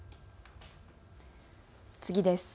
次です。